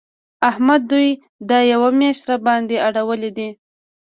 احمد دوی دا یوه مياشت راباندې اړولي دي.